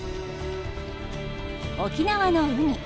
沖縄の海